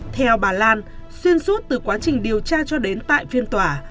theo bà lan xuyên suốt từ quá trình điều tra cho đến tại phiên tòa